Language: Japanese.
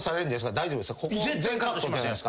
大丈夫っすか？